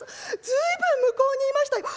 随分向こうにいましたよ。